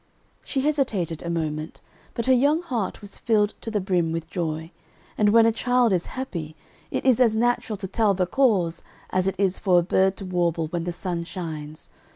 She hesitated a moment, but her young heart was filled to the brim with joy, and when a child is happy, it is as natural to tell the cause as it is for a bird to warble when the sun shines.